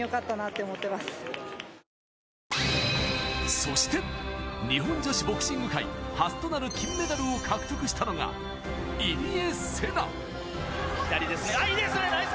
そして、日本女子ボクシング界初となる金メダルを獲得したのが入江聖奈。